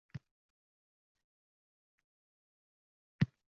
Sababi, otalar ko‘proq vaqtlarini oilasining ta'minoti uchun ko‘cha-kuyda o‘tkazadilar